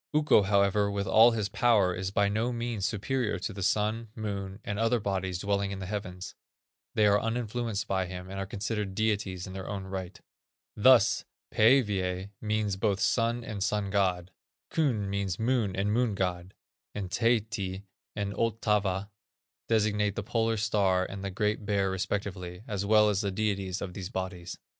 Ukko, however, with all his power, is by no means superior to the Sun, Moon, and other bodies dwelling in the heavens; they are uninfluenced by him, and are considered deities in their own right. Thus, Pæivæ means both sun and sun god; Kun means moon and moon god; and Taehti and Ottava designate the Polar star and the Great Bear respectively, as well as the deities of these bodies.